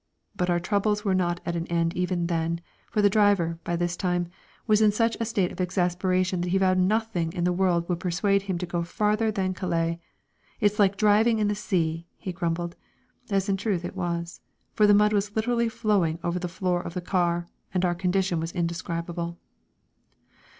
But our troubles were not at an end even then, for the driver, by this time, was in such a state of exasperation that he vowed nothing in the world would persuade him to go farther than Calais. "It's like driving in the sea!" he grumbled, as in truth it was, for the mud was literally flowing over the floor of the car, and our condition was indescribable.